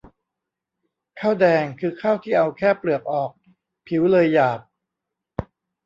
ข้าวแดง คือข้าวที่เอาแค่เปลือกออก ผิวเลยหยาบ